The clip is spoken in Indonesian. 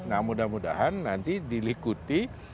nah mudah mudahan nanti diliputi